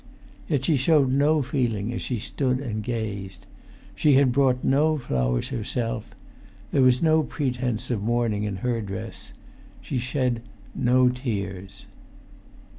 Yet she showed no feeling as she stood and gazed. She had brought no flowers herself. There was no pretence of mourning in her dress. She shed no tears.